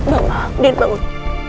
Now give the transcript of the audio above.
mbak andien bangun